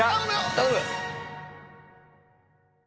頼む。